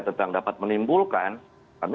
tentang dapat menimbulkan kami